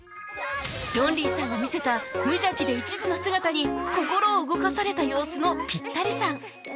ロンリーさんが見せた無邪気で一途な姿に心を動かされた様子のピッタリさん